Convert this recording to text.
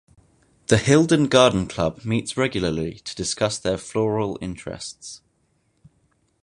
The Hilden Garden Club meets regularly to discuss their floral interests.